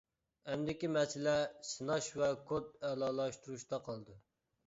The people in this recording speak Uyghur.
ئەمدىكى مەسىلە سىناش ۋە كود ئەلالاشتۇرۇشتا قالدى.